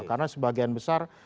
karena sebagian besar